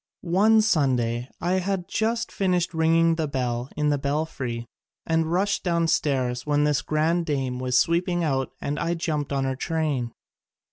One Sun day I had just finished ringing the bell in the belfry and rushed downstairs when this grand dame was sweeping out and I jumped on her train.